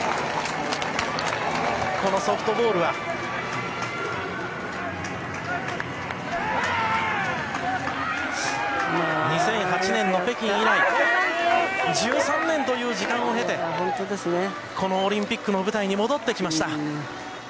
このソフトボールは２００８年の北京以来１３年という時間を経てこのオリンピックの舞台に戻ってきました。